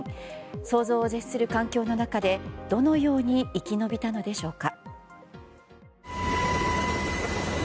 想像を絶する環境の中でどのように生き延びたのでしょうか。